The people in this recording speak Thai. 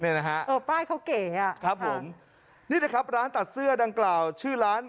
เนี่ยนะฮะครับผมนี่นะครับร้านตัดเสื้อดังกล่าวชื่อร้าน